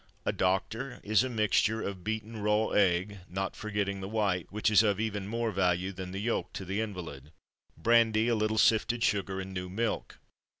A "Doctor" is a mixture of beaten raw egg not forgetting the white, which is of even more value than the yolk to the invalid brandy, a little sifted sugar, and new milk.